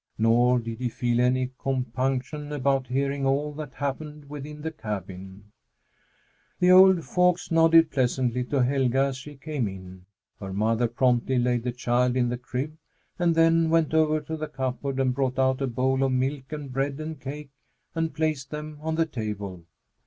Nor did he feel any compunction about hearing all that happened within the cabin. The old folks nodded pleasantly to Helga as she came in. Her mother promptly laid the child in the crib, and then went over to the cupboard and brought out a bowl of milk and a bread cake and placed them on the table.